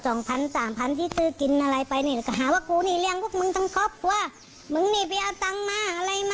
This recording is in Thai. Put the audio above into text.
ก็คือสรุปแล้วตาล้วนเขารู้เห็นในเรื่องนี้ใช่ไหม